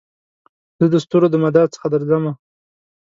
زه دستورو دمدار څخه درځمه